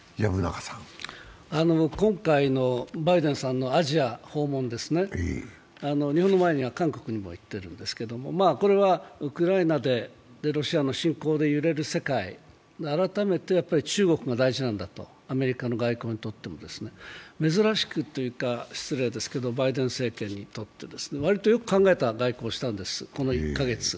今回のバイデンさんのアジア訪問ですね、日本の前には韓国にも行ってるんですけどこれはウクライナで、ロシアの侵攻で揺れる世界、改めて中国が大事なんだと、アメリカの外交にとってもですね。珍しくというか、失礼ですがバイデン政権にとって割とよく考えた外交をしたんです、この１カ月。